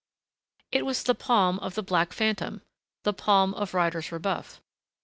It was the palm of the black phantom, the palm of Ryder's rebuff.